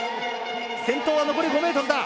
先頭は残り５ｍだ。